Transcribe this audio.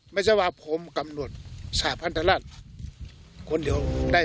ไม่ใช่ว่าผมกำหนดสหพันธราชคนเดียวได้